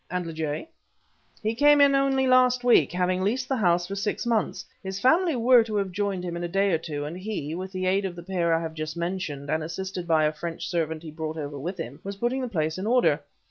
"And Lejay?" "He came in only last week, having leased the house for six months. His family were to have joined him in a day or two, and he, with the aid of the pair I have just mentioned, and assisted by a French servant he brought over with him, was putting the place in order.